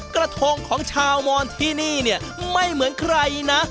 กระทงของชาวมอนที่นี่เนี่ยไม่เหมือนใครนะ